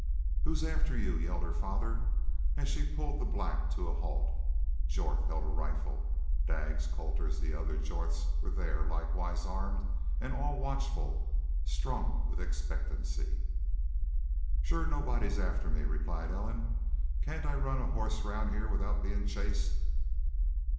"Who's after you?" yelled her father, as she pulled the black to a halt. Jorth held a rifle. Daggs, Colter, the other Jorths were there, likewise armed, and all watchful, strung with expectancy. "Shore nobody's after me," replied Ellen. "Cain't I run a horse round heah without being chased?"